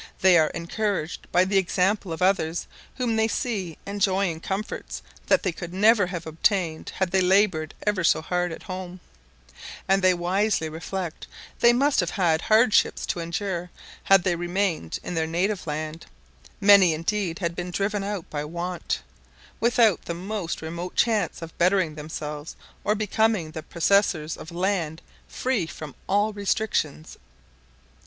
They are encouraged by the example of others whom they see enjoying comforts that they could never have obtained had they laboured ever so hard at home; and they wisely reflect they must have had hardships to endure had they remained in their native land (many indeed had been driven out by want), without the most remote chance of bettering themselves or becoming the possessors of land free from all restrictions.